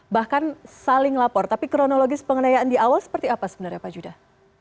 bahkan saling lapor tapi kronologis pengenayaan di awal seperti apa sebenarnya pak judah